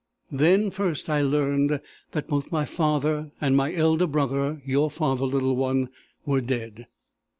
Then first I learned that both my father and my elder brother, your father, little one, were dead.